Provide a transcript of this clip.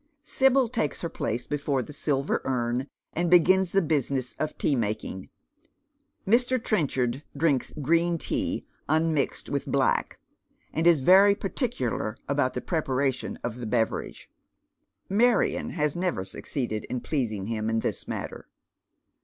Sibyl takes her place before the silver urn, and begins the business of tea making. Mr. Trenchard drinks green tea un mixed w.th black, and is very particular about the preparation of the beverago, Marion has never succeeded in pleasing him in this matter.